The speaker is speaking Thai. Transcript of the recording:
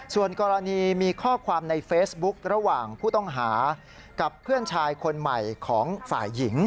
ส่วนกรณีมีข้อความในเฟซบุ๊คระหว่างผู้ต้องหากับเพื่อนชายคนใหม่ของฝ่ายหญิง